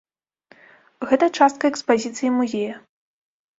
Гэта частка экспазіцыі музея.